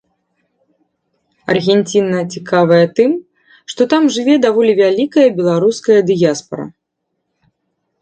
Аргенціна цікавая тым, што там жыве даволі вялікая беларуская дыяспара.